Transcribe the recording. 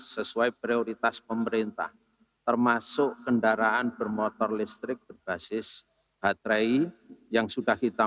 sesuai prioritas pemerintah termasuk kendaraan bermotor listrik berbasis baterai yang sudah kita